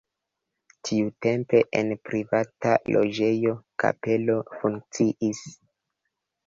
Tiutempe en privata loĝejo kapelo funkciis.